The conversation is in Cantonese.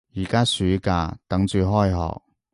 而家暑假，等住開學